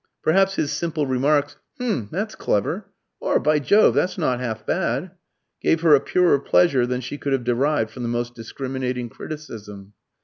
Perhaps his simple remarks, "H'm, that's clever!" or, "By Jove, that's not half bad!" gave her a purer pleasure than she could have derived from the most discriminating criticism.